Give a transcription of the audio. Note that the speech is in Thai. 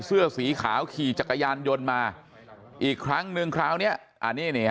เสื้อสีขาวขี่จักรยานยนต์มาอีกครั้งหนึ่งคราวนี้อันนี้